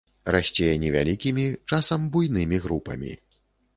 Расце невялікімі, часам буйнымі групамі.